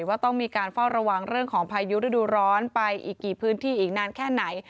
ว่าต้องมีการเฝ้าระวังเรื่องของพายุฤดูร้อนไปอีกกี่พื้นที่อีกนานแค่ไหน